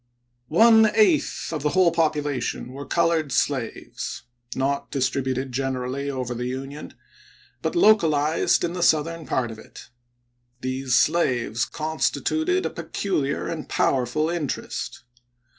One eighth of the whole population were colored slaves, not distributed generally over the Union, but localized in the Southern part of it. These slaves constituted a peculiar and powerful interest.